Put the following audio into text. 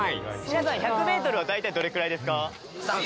皆さん、１００メートルは大体どれくらいですか？